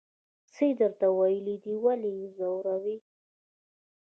څه یې درته ویلي دي ولې یې ځوروئ.